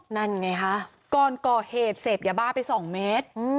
นั่นไงค่ะกรก่อเหตุเสพยาบาไปสองเมตรอืม